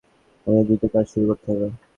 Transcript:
আমাদের দ্রুত কাজ শুরু করতে হবে।